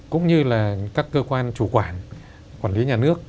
cũng như là các cơ quan chủ quản quản lý nhà nước